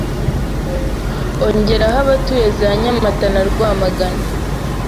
ongereho abatuye za Nyamata na Rwamagana,